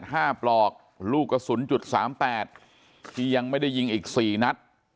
ห้าปลอกลูกกระสุนจุดสามแปดที่ยังไม่ได้ยิงอีกสี่นัด